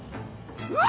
うわ！